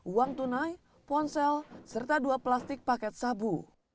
uang tunai ponsel serta dua plastik paket sabu